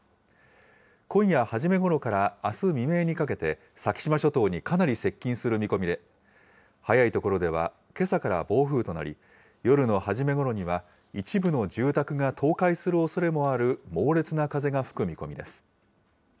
今夜初め頃からあす未明にかけて、先島諸島にかなり接近する見込みで、早い所ではけさから暴風となり、夜の初めごろには一部の住宅が倒壊するおそれもある猛烈な風が吹く見込みです。